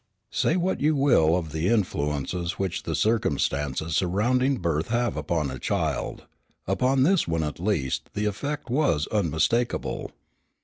Say what you will of the influences which the circumstances surrounding birth have upon a child, upon this one at least the effect was unmistakable.